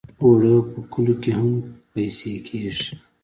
اوړه په کلو کې هم پېسې کېږي